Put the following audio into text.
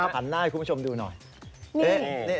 หันหน้าให้คุณผู้ชมดูหน่อย